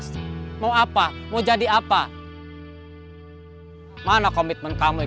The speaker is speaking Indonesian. lo udah nyarein bryan